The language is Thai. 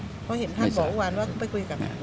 เพราะเห็นท่านบอกวันว่าไปคุยแต่ละฝ่าย